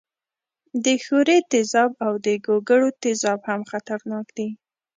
د ښورې تیزاب او د ګوګړو تیزاب هم خطرناک دي.